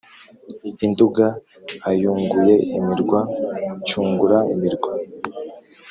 induga ayunguye imirwa cyungura-mirwa.